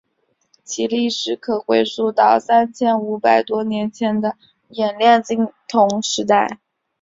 其历史可回溯到三千五百多年前的冶炼青铜时代。